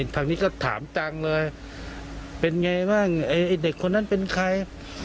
ทางนี้ก็ถามจังเลยเป็นไงบ้างไอ้เด็กคนนั้นเป็นใคร